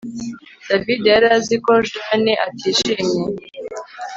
David yari azi ko Jane atishimye